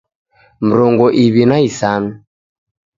Mrongo iw'i na isanu